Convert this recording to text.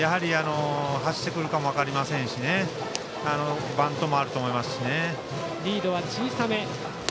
走ってくるかも分かりませんしバントもあると思いますしね。